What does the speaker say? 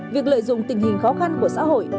việc lợi dụng tình hình khó khăn của xã hội